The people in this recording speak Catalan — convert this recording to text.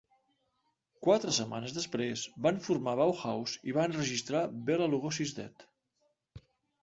Quatre setmanes després, van formar Bauhaus i va enregistrar "Bela Lugosi's Dead".